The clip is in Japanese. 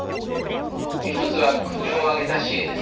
一つは国を挙げた支援です。